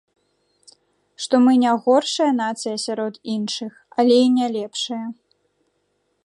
Што мы не горшая нацыя сярод іншых, але і не лепшая.